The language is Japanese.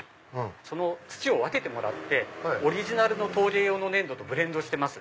その土を分けてもらってオリジナルの陶芸用の粘土とブレンドしてます。